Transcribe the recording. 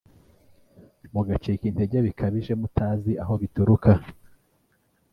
mugacika intege bikabije mutazi aho bituruka